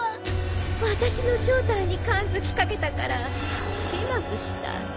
私の正体に感づきかけたから始末した。